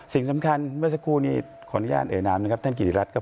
สิ่งสำคัญเมื่อสักครู่นี้ขออนุญาตเอ่ยนามนะครับท่านกิติรัฐครับ